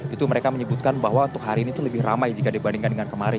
itu mereka menyebutkan bahwa untuk hari ini itu lebih ramai jika dibandingkan dengan kemarin